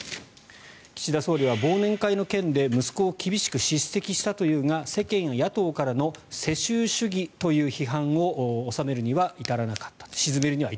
岸田総理は忘年会の件で息子を厳しく叱責したというが世間や野党からの世襲主義という批判を鎮めるには至らなかった。